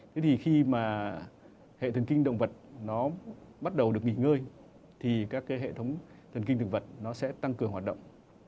thế thì khi mà hệ thần kinh động vật nó bắt đầu được nghỉ ngơi thì các cái hệ thống thần kinh thực vật nó sẽ tăng cường hoạt động